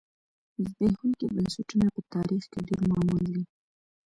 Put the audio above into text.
زبېښونکي بنسټونه په تاریخ کې ډېر معمول دي